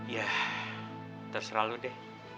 ya taserah lu deh